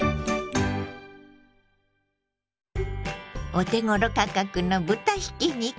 お手ごろ価格の豚ひき肉。